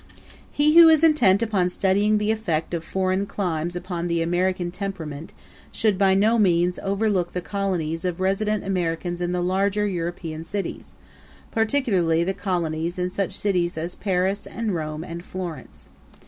He who is intent upon studying the effect of foreign climes upon the American temperament should by no means overlook the colonies of resident Americans in the larger European cities, particularly the colonies in such cities as Paris and Rome and Florence.